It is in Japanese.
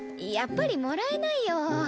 やっぱりもらえないよ。